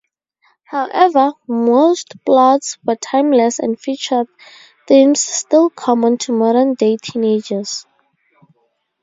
However, most plots were timeless and featured themes still common to modern-day teenagers.